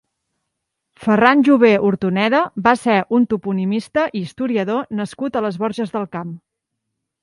Ferran Jové Hortoneda va ser un toponimista i historador nascut a les Borges del Camp.